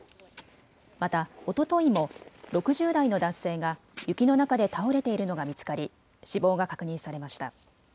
またおとといも６０代の男性が雪の中で倒れているのが見つかり死亡が確認されました。